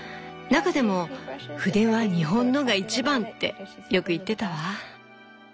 中でも「筆は日本のが一番」ってよく言ってたわ。